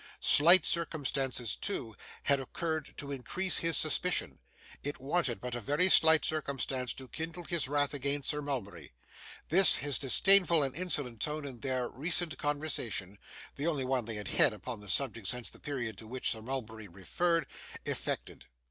Slight circumstances, too, had occurred to increase his suspicion. It wanted but a very slight circumstance to kindle his wrath against Sir Mulberry. This his disdainful and insolent tone in their recent conversation (the only one they had held upon the subject since the period to which Sir Mulberry referred), effected.